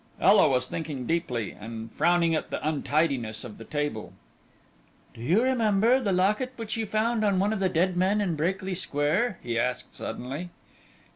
Ela was thinking deeply, and frowning at the untidiness of the table. "Do you remember that locket which you found on one of the dead men in Brakely Square?" he asked suddenly.